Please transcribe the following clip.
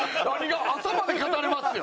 朝まで語れますよ！